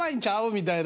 みたいな。